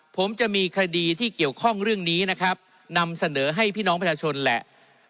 ผมจะมีคดีที่เกี่ยวข้องเรื่องนี้นะครับนำเสนอให้พี่น้องประชาชนแหละ